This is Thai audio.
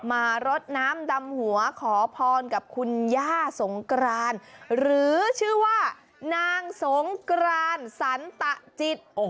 รดน้ำดำหัวขอพรกับคุณย่าสงกรานหรือชื่อว่านางสงกรานสันตะจิต